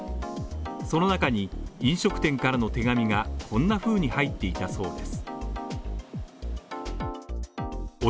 その中に、飲食店からの手紙がこんなふうに入っていたそうです。